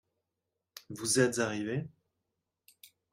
Vous êtes arrivé ?